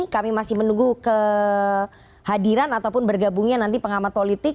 kami masih menunggu kehadiran ataupun bergabungnya nanti pengamat politik